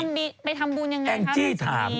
แล้วไปทำบุญยังไงครับแองจี้ถาม